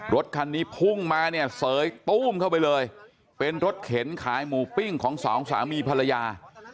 รถคันนี้พุ่งมาเนี่ยเสยตู้มเข้าไปเลยเป็นรถเข็นขายหมูปิ้งของสองสามีภรรยา